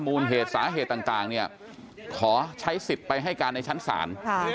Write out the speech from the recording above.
มูลเหตุสาเหตุต่างเนี่ยขอใช้สิทธิ์ไปให้การในชั้นศาล